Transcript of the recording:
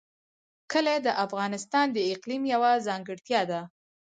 کلي د افغانستان د اقلیم یوه ځانګړتیا ده.